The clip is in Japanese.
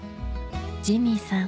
ジミーさん